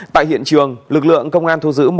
tại hiện trường lực lượng công an thu giữ